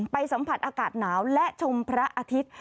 สัมผัสอากาศหนาวและชมพระอาทิตย์